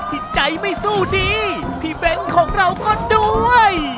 ที่ใจไม่สู้ดีพี่เบ้นของเราก็ด้วย